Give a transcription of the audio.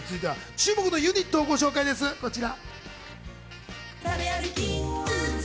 注目のユニットをご紹介です、こちら。